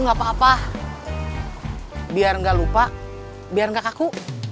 enggak papa biar enggak lupa biar enggak kaku